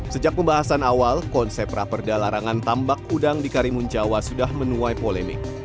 sejak pembahasan awal konsep raperda larangan tambak udang di karimun jawa sudah menuai polemik